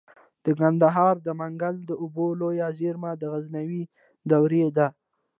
د کندهار د منگل د اوبو لوی زیرمه د غزنوي دورې ده